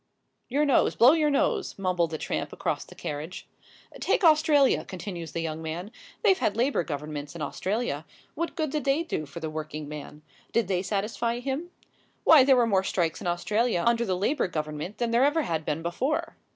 "Your nose blow your nose," mumbled the tramp across the carriage. "Take Australia," continues the young man; "they've had Labour Governments in Australia. What good did they do for the working man? Did they satisfy him? Why, there were more strikes in Australia under the Labour Government than there ever had been before."